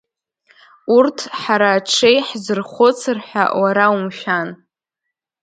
Урҭ ҳара аҽеи ҳзырхәыцыр ҳәа уара умшәан!